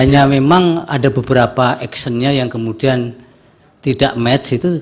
hanya memang ada beberapa actionnya yang kemudian tidak match itu